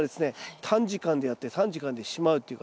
短時間でやって短時間でしまうっていうか。